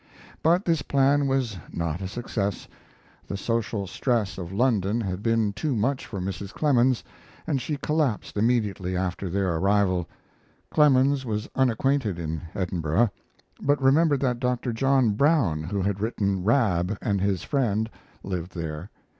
But this plan was not a success; the social stress of London had been too much for Mrs. Clemens, and she collapsed immediately after their arrival. Clemens was unacquainted in Edinburgh, but remembered that Dr. John Brown, who had written Rab and His Friend, lived there.